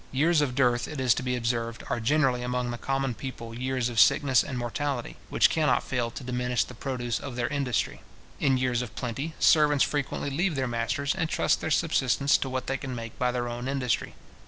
Years of dearth, it is to be observed, are generally among the common people years of sickness and mortality, which cannot fail to diminish the produce of their industry. In years of plenty, servants frequently leave their masters, and trust their subsistence to what they can make by their own industry.